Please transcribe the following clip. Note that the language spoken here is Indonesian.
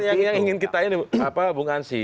ini sebenarnya yang ingin kita ini bung ansyi